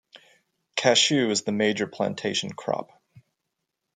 Cashew is the major plantation crop.